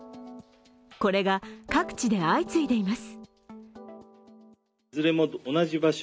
これが各地で相次いでいます。